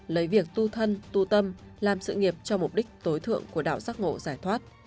lấy việc tu thân tu tâm làm sự nghiệp cho mục đích tối thượng của đảo giác ngộ giải thoát